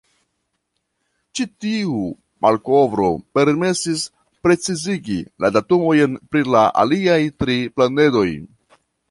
Ĉi tiu malkovro permesis precizigi la datumojn pri la aliaj tri planedoj.